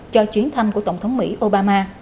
cho chuyến thăm của tổng thống mỹ obama